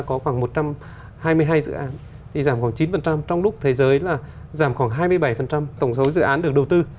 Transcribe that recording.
có khoảng một trăm hai mươi hai dự án thì giảm khoảng chín trong lúc thế giới là giảm khoảng hai mươi bảy tổng số dự án được đầu tư